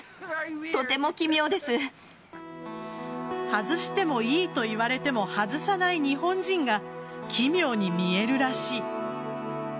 外してもいいと言われても外さない日本人が奇妙に見えるらしい。